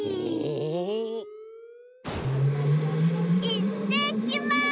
いってきます！